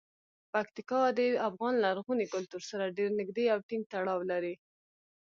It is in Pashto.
پکتیکا د افغان لرغوني کلتور سره ډیر نږدې او ټینګ تړاو لري.